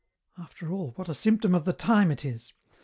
" After all, what a symptom of the time it is